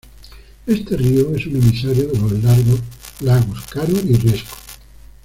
Este río es un emisario de los lagos Caro y Riesco.